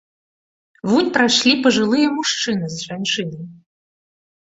Вунь прайшлі пажылыя мужчына з жанчынай.